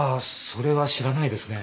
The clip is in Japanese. それは知らないですね。